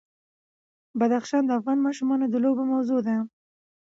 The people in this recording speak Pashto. بدخشان د افغان ماشومانو د لوبو موضوع ده.